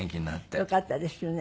よかったですよね。